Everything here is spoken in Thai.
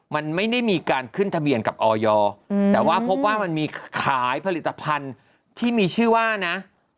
มันไม่ได้มีการขึ้นทะเบียนกับออยแต่ว่าพบว่ามันมีขายผลิตภัณฑ์ที่มีชื่อว่านะ